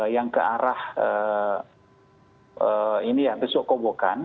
yang ke arah besok kobokan